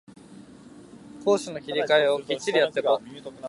攻守の切り替えをきっちりやってこ